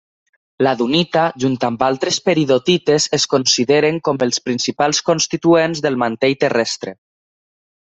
La dunita, junt amb altres peridotites es consideren com els principals constituents del mantell terrestre.